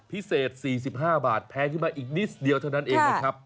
พิเศษ๔๕บาทแพงขึ้นมาอีกนิดเดียวเท่านั้นเองนะครับ